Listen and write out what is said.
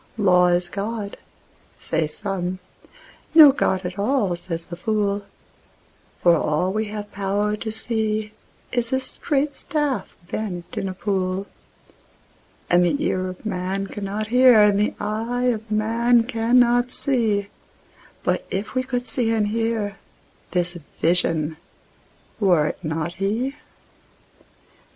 Law is God, say some: no God at all, says the fool; For all we have power to see is a straight staff bent in a pool; And the ear of man cannot hear, and the eye of man cannot see; But if we could see and hear, this Vision—were it not He?